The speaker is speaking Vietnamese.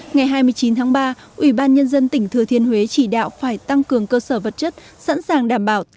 ngày hai mươi chín tháng ba ubnd tỉnh thừa thiên huế chỉ đạo phải tăng cường cơ sở vật chất sẵn sàng đảm bảo